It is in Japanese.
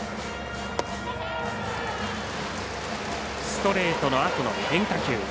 ストレートのあとの変化球。